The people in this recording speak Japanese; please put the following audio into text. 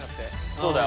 そうだよ。